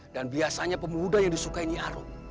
dan biasanya pemuda yang disukai nyaro